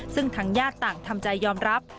ซึ่งทางญาติต่างทำใจยอมรับ